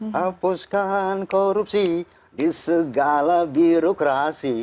hapuskan korupsi di segala birokrasi